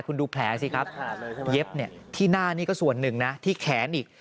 คุณดูแผลสิครับเย็บที่หน้านี่ก็ส่วนหนึ่งนะที่แขนอีก